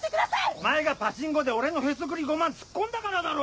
お前がパチンコで俺のヘソクリ５万突っ込んだからだろ！